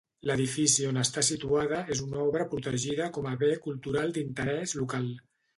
L'edifici on està situada és una obra protegida com a Bé Cultural d'Interès Local.